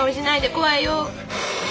怖いよ。